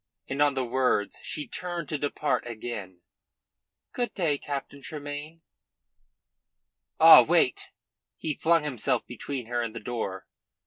And on the words she turned to depart again. "Good day, Captain Tremayne." "Ah, wait!" He flung himself between her and the door.